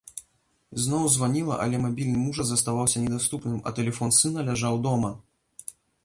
Зноў званіла, але мабільны мужа заставаўся недаступным, а тэлефон сына ляжаў дома.